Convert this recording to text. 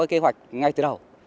kế hoạch ngay từ đầu